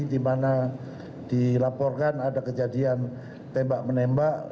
dimana dilaporkan ada kejadian tembak menembak